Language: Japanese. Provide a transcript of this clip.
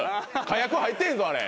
火薬入ってへんぞあれ。